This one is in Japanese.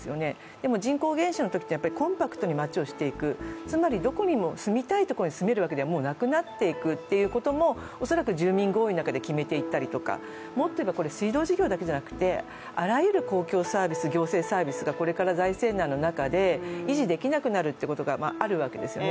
でも人口減少のときはコンパクトに町をしていく、どこでも住みたいところに住めるということではなくなっていくということを恐らく住民合意の中で決めていったりとかもっと言えば水道事業だけじゃなくて、あらゆる公共サービス、行政サービスがこれから財政難の中で維持できなくなるということがあるわけですよね。